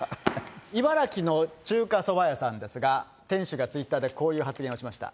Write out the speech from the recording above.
茨城の中華そば屋さんですが、店主がツイッターでこういう発言をしました。